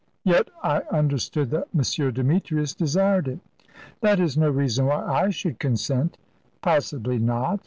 "Yet I understood that M. Demetrius desired it." "That is no reason why I should consent." "Possibly not.